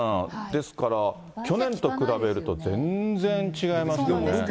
ですから、去年と比べると全然違いますよね。